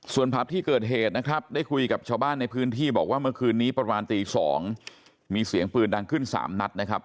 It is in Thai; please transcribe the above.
ส่วนผับที่เกิดเหตุนะครับได้คุยกับชาวบ้านในพื้นที่บอกว่าเมื่อคืนนี้ประมาณตี๒มีเสียงปืนดังขึ้น๓นัดนะครับ